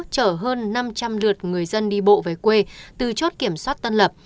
chở hơn năm trăm linh lượt người dân đi bộ về quê từ chốt kiểm soát tân lập